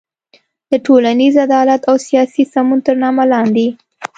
د ټولنیز عدالت او سیاسي سمون تر نامه لاندې